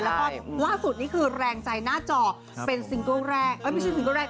แล้วก็ล่าสุดนี่คือแรงใจหน้าจอเป็นซิงเกิ้ลแรกเอ้ยไม่ใช่ซิงเกิ้แรก